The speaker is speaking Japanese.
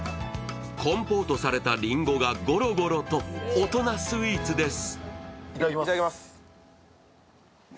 コンポートされたりんごがゴロゴロと大人スイーツです。